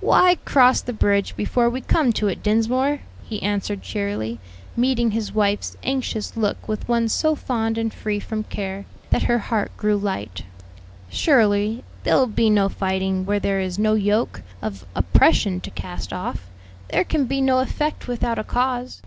"Why cross the bridge before we come to it, Dinsmore?" he answered cheerily, meeting his wife's anxious look with one so fond and free from care, that her heart grew light; "surely there'll be no fighting where there is no yoke of oppression to cast off. There can be no effect without a cause."